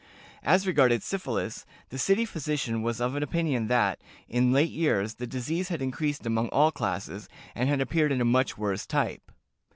"_As regarded syphilis, the city physician was of opinion that, in late years, the disease had increased among all classes, and had appeared in a much worse type.